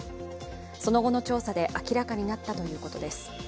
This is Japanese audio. その後の調査で明らかになったということです。